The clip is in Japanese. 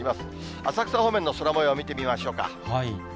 浅草方面の空もよう見てみましょうか。